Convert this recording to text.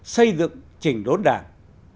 xây dựng chỉnh đốn đảng